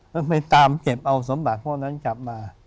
แล้วไปตามเก็บเอาสมบัติพวกนั้นกลับมา